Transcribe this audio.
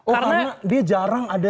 karena dia jarang ada